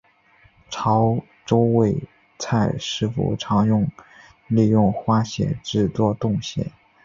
潮洲味菜师傅常利用花蟹制作冻蟹。